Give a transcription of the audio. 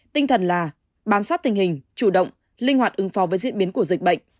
tinh thần là bám sát tình hình chủ động linh hoạt ứng phó với diễn biến của dịch bệnh